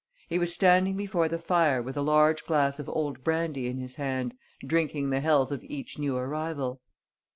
He was standing before the fire, with a large glass of old brandy in his hand, drinking the health of each new arrival.